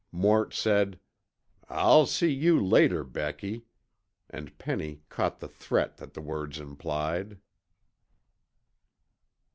Mort said, "I'll see you later, Becky," and Penny caught the threat that the words implied.